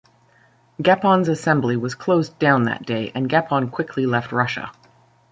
Gapon's Assembly was closed down that day, and Gapon quickly left Russia.